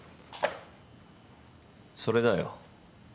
それだよ。